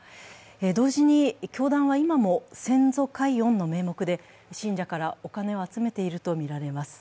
同時に教団は今も先祖解怨の名目で信者からお金を集めているとみられます。